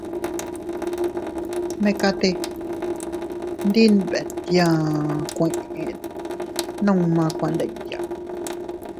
Mekatee ndi btee yaʼa kueʼe nunma kuandilla.